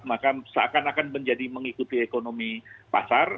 maka seakan akan menjadi mengikuti ekonomi pasar